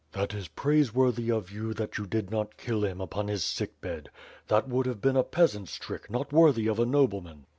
"That is praiseworthy of you that you did not kill him upon his sick bed. That would have been a peasant's trick, not worthy of a nobleman."